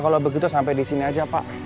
kalau begitu sampai disini aja pak